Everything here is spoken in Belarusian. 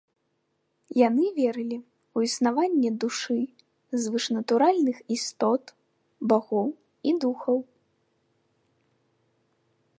Яны верылі ў існаванне душы, звышнатуральных істот, багоў і духаў.